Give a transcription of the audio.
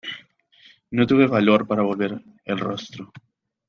No tuve valor para volver el rostro.